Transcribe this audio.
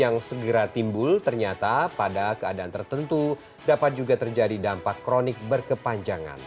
yang segera timbul ternyata pada keadaan tertentu dapat juga terjadi dampak kronik berkepanjangan